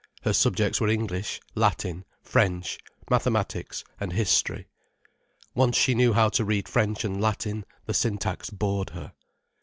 Her subjects were English, Latin, French, mathematics and history. Once she knew how to read French and Latin, the syntax bored her.